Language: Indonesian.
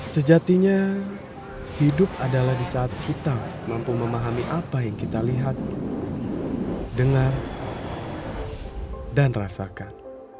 sejatinya hidup adalah di saat kita mampu memahami apa yang kita lihat dengar dan rasakan